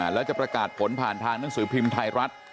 แล้วจะประกาศผลผ่านทางหนังสือพิมพ์ไทยรัฐ